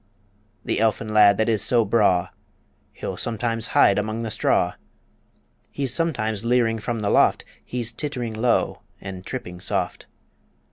The elfin lad that is so braw, He'll sometimes hide among the straw; He's sometimes leering from the loft He's tittering low and tripping soft.